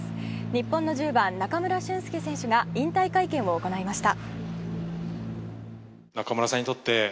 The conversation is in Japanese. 日本の１０番、中村俊輔選手が引退会見を行いました。